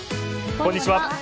こんにちは。